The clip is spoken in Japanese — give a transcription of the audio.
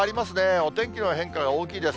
お天気の変化が大きいです。